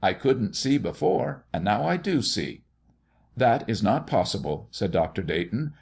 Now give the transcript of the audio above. "I couldn't see before, and now I do see." "That is not possible," said Dr. Dayton.